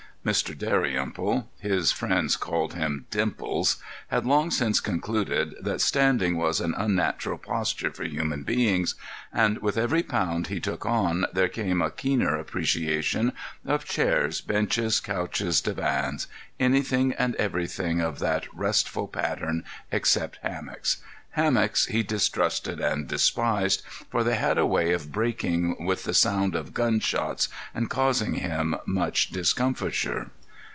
Mr. Dalrymple—his friends called him "Dimples"—had long since concluded that standing was an unnatural posture for human beings, and with every pound he took on there came a keener appreciation of chairs, benches, couches, divans—anything and everything of that restful pattern except hammocks. Hammocks he distrusted and despised, for they had a way of breaking with the sound of gun shots and causing him much discomfiture.